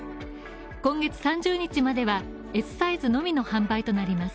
今月３０日まではＳサイズのみの販売となります。